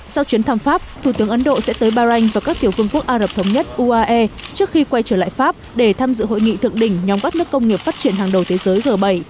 sau chuyến thăm pháp thủ tướng ấn độ sẽ tới bahrain và các tiểu phương quốc ả rập thống nhất uae trước khi quay trở lại pháp để tham dự hội nghị thượng đỉnh nhóm các nước công nghiệp phát triển hàng đầu thế giới g bảy